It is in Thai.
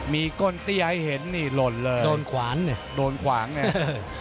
มีก้นเตี้ยให้เห็นนี่หล่นเลยโดนขวานเนี่ยโดนขวางเนี่ย